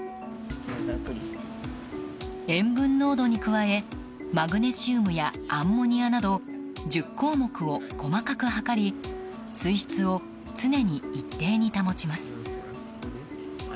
塩分濃度に加えマグネシウムやアンモニアなど１０項目を細かく測り水質を常に一定に保ちます。